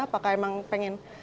apakah emang pengen